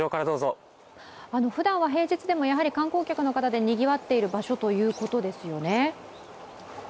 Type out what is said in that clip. ふだんは平日でも、やはり観光客の方でにぎわっている場所ということですよね。